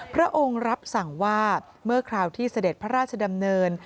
พระองค์รับสั่งว่าเมื่อคราวที่เสด็จพระราชดำเนิน